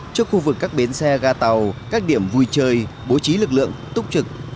trước khu vực các bến xe ga tàu các điểm vui chơi bố trí lực lượng túc trực